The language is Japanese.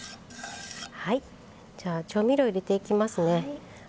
はいじゃあ調味料入れていきますね。